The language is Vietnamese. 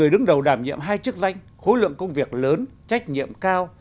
đứng đầu đảm nhiệm hai chức danh khối lượng công việc lớn trách nhiệm cao